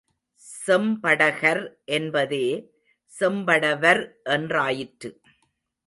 செம் படகர் என்பதே செம்படவர் என்றாயிற்று.